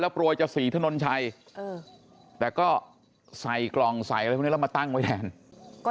แล้วโปรยจะฝีถนนชัยแต่ก็ใส่กล่องใส่แล้วมาตั้งไว้แทนก็